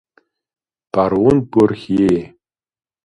Baron Bourchier".